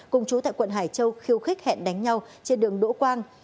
cùng chú tại quận hải châu khiêu khích hẹn đánh nhau trên đường đỗ quang